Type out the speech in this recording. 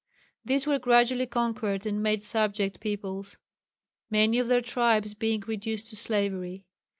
These were gradually conquered and made subject peoples many of their tribes being reduced to slavery.